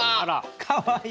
かわいい。